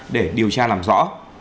để điều tra làm rõ